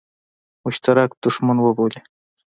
مشترک دښمن وبولي.